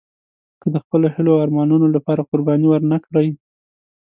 که د خپلو هیلو او ارمانونو لپاره قرباني ورنه کړئ.